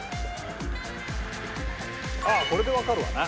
ああこれでわかるわな。